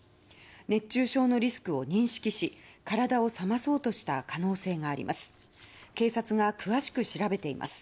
熱中症のリスクを認識し体を冷まそうとした可能性があります。